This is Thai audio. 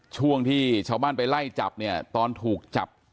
ช่วงที่ชาวบ้านไปไล่จับเนี่ยตอนถูกจับ